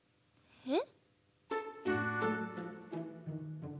えっ？